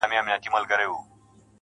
o هغه وايي يو درد مي د وزير پر مخ گنډلی.